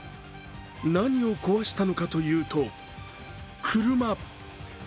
何を壊したのかというと、車。